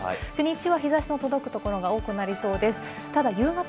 日中は日差しの届くところが多くなりそうです。